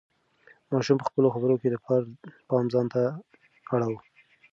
ماشوم په خپلو خبرو کې د پلار پام ځان ته اړاوه.